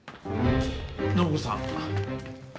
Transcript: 暢子さん。